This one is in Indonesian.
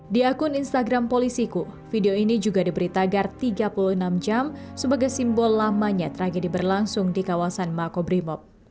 di akun instagram polisiku video ini juga diberi tagar tiga puluh enam jam sebagai simbol lamanya tragedi berlangsung di kawasan makobrimob